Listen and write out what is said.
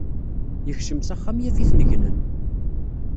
Yekcem s axxam yaf-iten gnen.